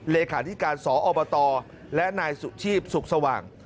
เลขาธิการสอบตและนายสุชีพสุขสว่าง